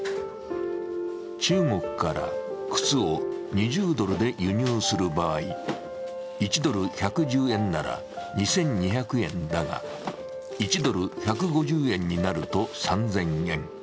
中国から靴を２０ドルで輸入する場合、１ドル＝１１０円なら２２００円だが１ドル＝１５０円になると３０００円。